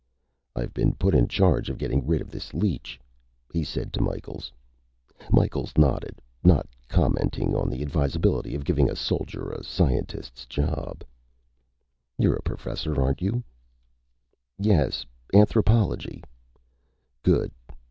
"I've been put in charge of getting rid of this leech," he said to Micheals. Micheals nodded, not commenting on the advisability of giving a soldier a scientist's job. "You're a professor, aren't you?" "Yes. Anthropology." "Good.